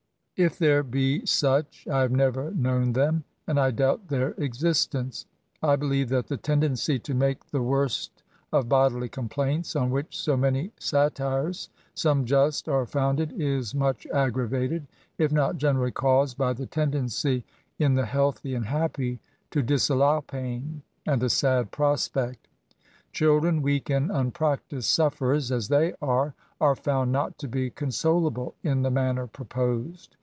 If there be such, I have never known them ; and I doubt their existeuce. J believe that the .tendency to make the worst of bodily complaints, on which so many satires (some just) are founded, is much aggravated^ if not generally caused, by the tendency in the healthy and happy jto disallow pain and a sad prospect. Children, weajk and unpractised sufferer? as they are, are found not to he consolable ia the manner proposed.